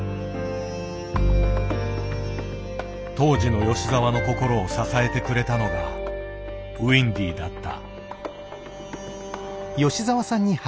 当時の吉澤の心を支えてくれたのがウインディだった。